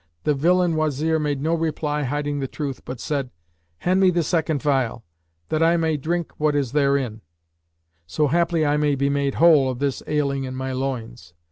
The villain Wazir made no reply hiding the truth but said, "Hand me the second phial, that I may drink what is therein, so haply I may be made whole of this ailing in my loins."